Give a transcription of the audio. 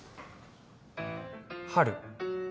春。